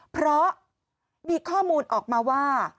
เพราะมีข้อมูลออกมาว่า